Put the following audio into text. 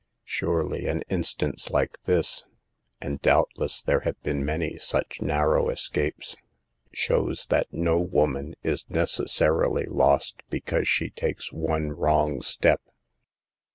Surely an in stance like this — and doubtless there have been many such narrow escapes — shows that no woman is necessarily lost because she takes one wrong step.